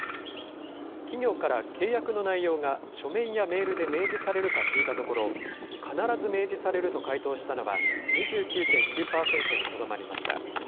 企業から契約の内容が書面やメールで明示されるか聞いたところ、必ず明示されると回答したのは２９．９％にとどまりました。